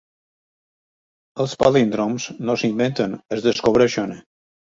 Els palíndroms no s'inventen, es descobreixen.